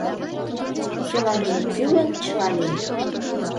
Кӧлан мо кӱлын, чыла лийын.